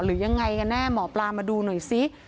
หรือยังไงกันแน่หมอปลามาดูหน่อยซิ